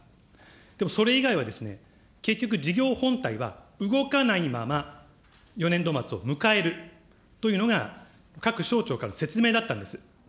でもそれ以外はですね、結局、事業本体は動かないまま、４年度末を迎えるというのが、各省庁から説明だったんです。